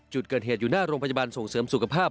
จุดเกิดเหตุอยู่หน้าโรงพยาบาลส่งเสริมสุขภาพ